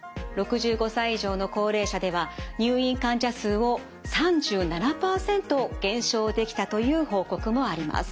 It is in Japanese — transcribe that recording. ６５歳以上の高齢者では入院患者数を３７％減少できたという報告もあります。